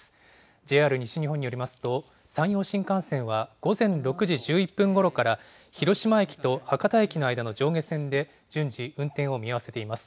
ＪＲ西日本によりますと、山陽新幹線は午前６時１１分ごろから広島駅と博多駅の間の上下線で順次、運転を見合わせています。